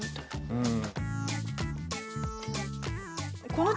うん。